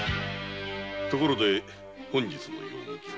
ところで本日のご用向きは？